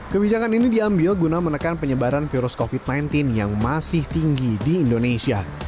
kebijakan ini diambil guna menekan penyebaran virus covid sembilan belas yang masih tinggi di indonesia